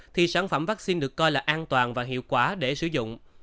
thì sản phẩm vaccine được coi là an toàn và hiệu quả để sử dụng